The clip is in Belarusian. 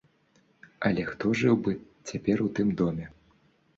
Але хто жыў бы цяпер у тым доме?